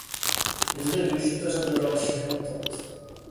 Je zde využita řada dalších metod.